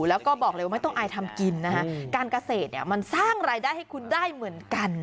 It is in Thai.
แล้วก็บอกเลยว่าไม่ต้องอายทำกินนะคะการเกษตรเนี่ยมันสร้างรายได้ให้คุณได้เหมือนกัน